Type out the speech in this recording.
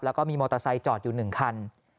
แล้วก็มีมอเตอร์ไซค์จอดอยู่๑คัน